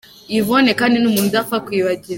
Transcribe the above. Yvonne kandi ni umuntu udapfa kwibagirwa.